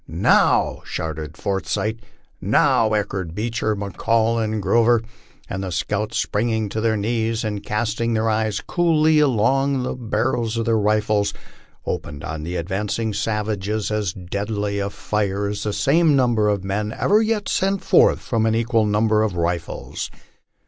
"Now," shouted Forsyth. "Now," echoed Beecher, McCall, and Grover; and the scouts, springing to their knees, and casting their eyes coolly along the barrels of their rifles, opened on the advancing savages as deadly a fire as the same number of men ever yet sent forth from an equal number of rifles.